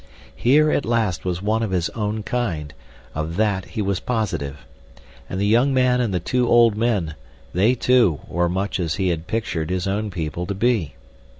Here at last was one of his own kind; of that he was positive. And the young man and the two old men; they, too, were much as he had pictured his own people to be.